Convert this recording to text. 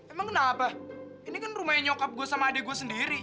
emang kenapa ini kan rumah yang nyokap gue sama adik gue sendiri